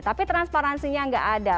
tapi transparansinya nggak ada